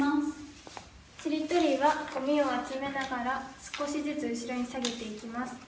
ちりとりはごみを集めながら少しずつ後ろに下げていきます。